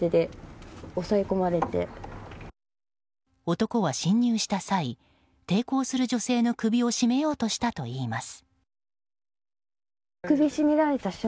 男は侵入した際抵抗する女性の首を絞めようとしたといいます。